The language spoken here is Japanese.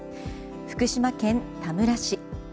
福島県田村市。